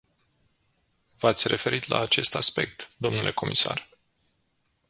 V-ați referit la acest aspect, dle comisar.